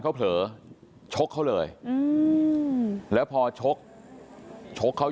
กลางมารสีน้ำสาว